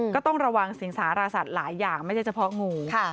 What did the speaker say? ก็ต้องระวังสิงสารสัตว์หลายอย่างไม่ใช่เฉพาะงู